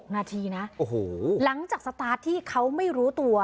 นาทีนะหลังจากสตาร์ทที่เขาไม่รู้ตัว